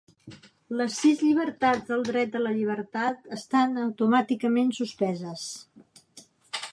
Les sis llibertats del Dret a la Llibertat estan automàticament suspeses.